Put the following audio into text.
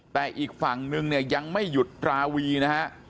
แต่อีกฝั่งนึงเนี่ยยังไม่หยุดราวีนะฮะ